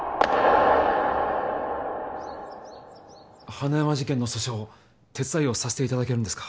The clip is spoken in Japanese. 花山事件の訴訟手伝いをさせていただけるんですか？